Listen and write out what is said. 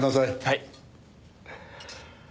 はい。